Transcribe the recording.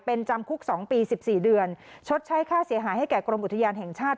เป็นจำคุก๒ปี๑๔เดือนชดใช้ค่าเสียหายให้แก่กรมอุทยานแห่งชาติ